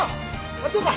あっそうか。